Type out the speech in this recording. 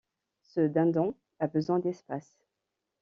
Ce dindon a besoin d'espace.